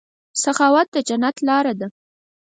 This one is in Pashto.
سخاوت د جنت لاره ده.